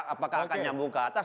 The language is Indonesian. apakah akan nyambung ke atas